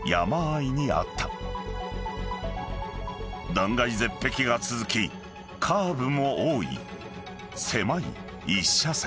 ［断崖絶壁が続きカーブも多い狭い一車線］